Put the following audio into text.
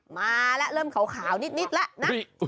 มาแล้วเริ่มขาวนิดแล้วนะ